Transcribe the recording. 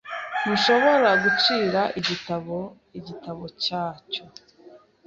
Ntushobora gucira igitabo igitabo cyacyo.